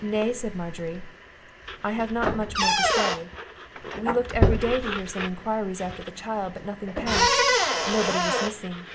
"Nay," said Margery, "I have not much more to say. We looked every day to hear some enquiries after the child, but nothing passed, nobody was missing."